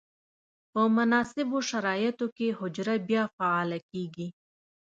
په مناسبو شرایطو کې حجره بیا فعاله کیږي.